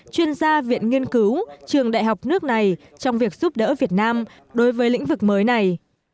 chuyên gia viện nghiên cứu trường đại học nước này trong việc giúp đỡ việt nam đối với lĩnh vực mới này